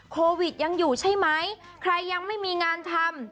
โควิดยังอยู่ใช่ไหมใครยังไม่มีงานทำ